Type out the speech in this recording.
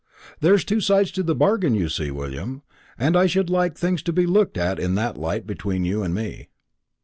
There's two sides to a bargain, you see, William, and I should like things to be looked at in that light between you and me."